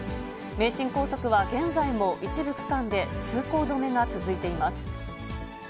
名神高速は現在も一部区間で通行止めが続いています。